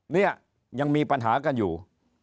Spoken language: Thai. เนี่ยยังมีปัญหากันอยู่